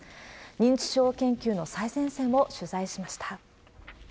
認知症研究の最前線を取材しました。